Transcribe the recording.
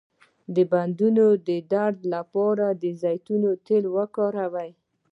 د بندونو درد لپاره د زیتون تېل وکاروئ